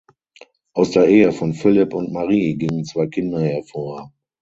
Aus der Ehe von Philip und Marie gingen zwei Kinder hervor.